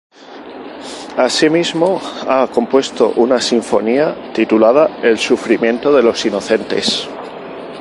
Asimismo ha compuesto una sinfonía titulada "El sufrimiento de los inocentes".